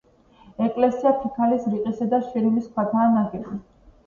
ეკლესია ფიქალის, რიყისა და შირიმის ქვითაა ნაგები.